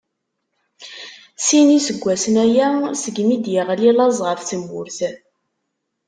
Sin n iseggasen aya segmi i d-iɣli laẓ ɣef tmurt.